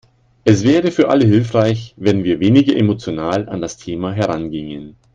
Es wäre für alle hilfreich, wenn wir weniger emotional an das Thema herangingen.